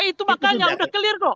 wah itu makanya sudah clear dong